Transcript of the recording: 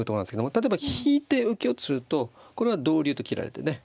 例えば引いて受けようとするとこれは同竜と切られてね